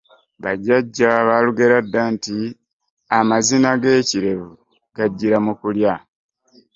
Bajjajja baalugera dda nti, “amazina g’ekirevu gajjira mu kulya.”